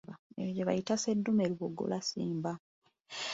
Eyo gye bayita sseddume luboggola Ssimba.